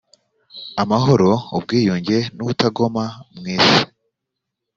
amahoro ubwiyunge n ubutagoma mu isi